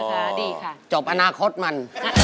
ไม่ได้จบชิดอะไร